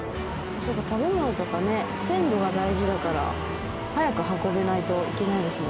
そうか食べ物とかね鮮度が大事だから早く運べないといけないですもんね。